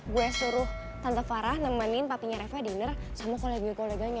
gue suruh tante farah nemenin papinya reva dinner sama kolebih koleganya